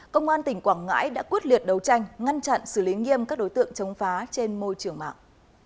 công an tỉnh quảng ngãi đã quyết liệt đấu tranh ngăn chặn xử lý nghiêm các đối tượng chống phá trên môi trường mạng